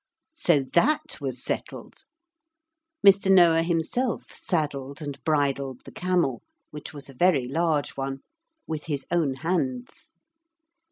So that was settled. Mr. Noah himself saddled and bridled the camel, which was a very large one, with his own hands.